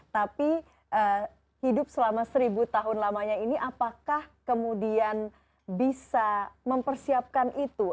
tapi hidup selama seribu tahun lamanya ini apakah kemudian bisa mempersiapkan itu